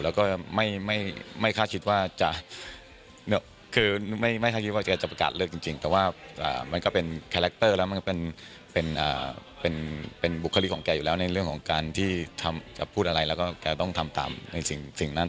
แล้วก็ไม่คาดคิดว่าจะคือไม่คาดคิดว่าแกจะประกาศเลิกจริงแต่ว่ามันก็เป็นคาแรคเตอร์แล้วมันก็เป็นบุคลิกของแกอยู่แล้วในเรื่องของการที่จะพูดอะไรแล้วก็แกต้องทำตามในสิ่งนั้น